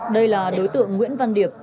đây là đối tượng nguyễn văn điệp